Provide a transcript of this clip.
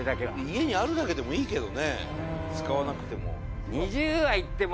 家にあるだけでもいいけどね使わなくても。